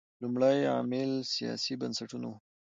لومړی عامل سیاسي بنسټونه وو.